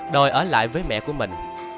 đòi ở lại với mẹ của mình